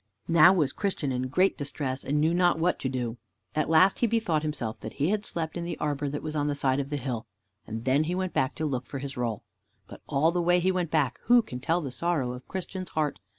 Now was Christian in great distress and knew not what to do. At last he bethought himself that he had slept in the arbor that was on the side of the hill, and then he went back to look for his roll. But all the way he went back, who can tell the sorrow of Christian's heart?